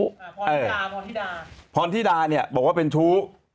พรดาพรธิดาพรธิดาเนี่ยบอกว่าเป็นชู้